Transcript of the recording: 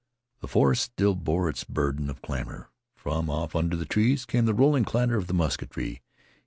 The forest still bore its burden of clamor. From off under the trees came the rolling clatter of the musketry.